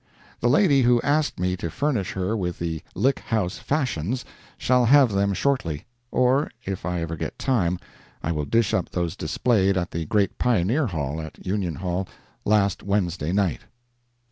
The lady who asked me to furnish her with the Lick House fashions, shall have them shortly—or if I ever get time, I will dish up those displayed at the great Pioneer ball, at Union Hall, last Wednesday night.